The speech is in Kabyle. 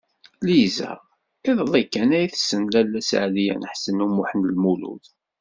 Lisa iḍelli kan ay tessen Lalla Seɛdiya n Ḥsen u Muḥ Lmlud.